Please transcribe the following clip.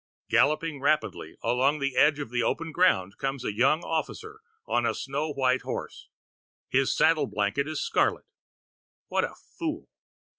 Galloping rapidly along in the edge of the open ground comes a young officer on a snow white horse. His saddle blanket is scarlet. What a fool!